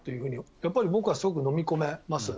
やっぱり僕はすごくのみ込めます。